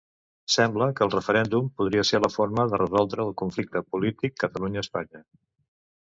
Sembla que el referèndum podria ser la forma de resoldre el conflicte polític Catalunya-Espanya.